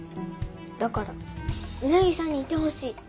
だからうなぎさんにいてほしい。